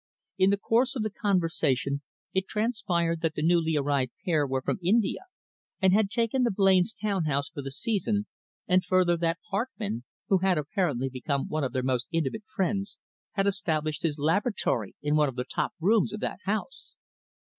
In the course of conversation it transpired that the newly arrived pair were from India, and had taken the Blains' town house for the season, and further, that Hartmann, who had apparently become one of their most intimate friends, had established his laboratory in one of the top rooms of that house."